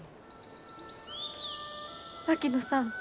槙野さん